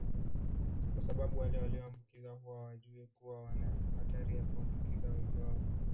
kwa sababu wale walioambukizwa huwa hawajui kuwa wana hatari ya kuwaambukiza wenzi wao